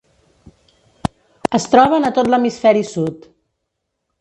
Es troben a tot l'hemisferi Sud.